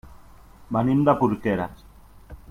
Venim de Porqueres.